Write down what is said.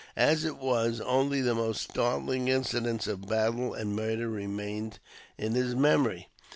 As it was, only the most startling incidents of battle and murder remained in his memory.